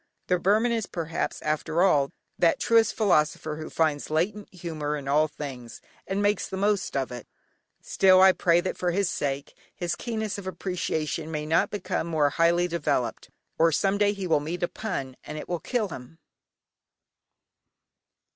The Burman is, perhaps, after all that truest philosopher who finds latent humour in all things, and makes the most of it still, I pray that, for his sake, his keenness of appreciation may not become more highly developed, or some day he will meet a pun, and it will kill him.